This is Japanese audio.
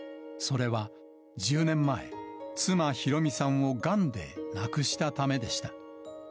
それは１０年前、妻、広美さんをがんで亡くしたためでした。